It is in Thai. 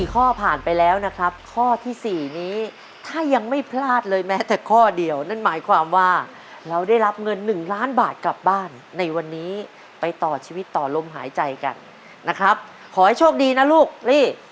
ข้อผ่านไปแล้วนะครับข้อที่๔นี้ถ้ายังไม่พลาดเลยแม้แต่ข้อเดียวนั่นหมายความว่าเราได้รับเงิน๑ล้านบาทกลับบ้านในวันนี้ไปต่อชีวิตต่อลมหายใจกันนะครับขอให้โชคดีนะลูกลี่